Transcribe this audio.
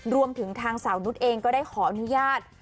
รวมถึงทางสาวนุษย์เองก็ได้ขออนุญาต